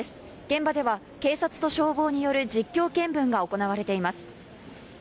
現場では警察と消防による実況見分が行われています。